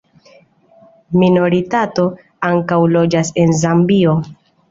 Minoritato ankaŭ loĝas en Zambio.